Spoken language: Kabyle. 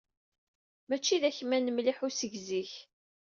Mačči d akman mliḥ usegzi-k.